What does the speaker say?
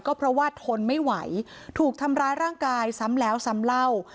ก็เพราะว่าทนไม่ไหวถูกทำร้ายร่างกายซ้ำแล้วซ้ำเล่า